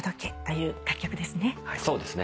そうですねはい。